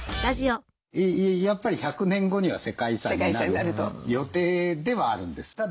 やっぱり１００年後には世界遺産になる予定ではあるんです。